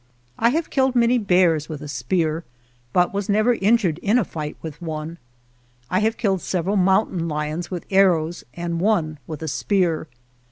I have killed many bears with a spear, but was never injured in a fight with one. I have killed several mountain lions with ar rows, and one with a spear.